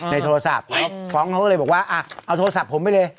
ในโทรศัพท์ฟ้องเขาก็เลยบอกว่าเอาโทรศัพท์ผมไปเลย